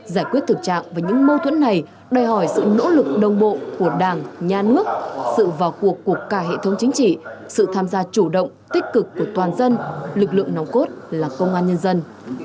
giải quyết thực trạng và những mâu thuẫn này đòi hỏi sự nỗ lực đông bộ của đảng nhà nước sự vào cuộc của cả hệ thống chính trị sự tham gia chủ động tích cực của toàn dân lực lượng nòng cốt là công an nhân dân